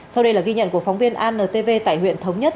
sau đây là ghi nhận của phóng viên antv tại huyện thống nhất